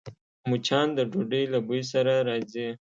مچان د ډوډۍ له بوی سره راځي